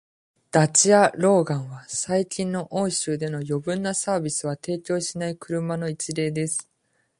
ダチア・ローガンは、最近の欧州での余分なサービスは提供しない車の一例です。